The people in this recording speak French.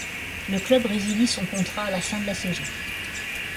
Le club résilie son contrat à la fin de la saison.